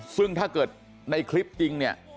ซึ่งถ้าเกิดในคลิปจริงเนี่ย